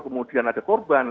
kemudian ada korban